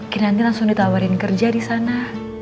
kinanti langsung ditawarin kerja di sana